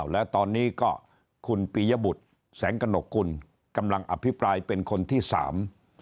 และตอนนี้ก็คุณปียบุตรแสงกระหนกกุลกำลังอภิปรายเป็นคนที่สาม